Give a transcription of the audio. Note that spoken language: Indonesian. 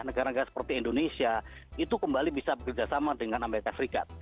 negara negara seperti indonesia itu kembali bisa bekerjasama dengan amerika serikat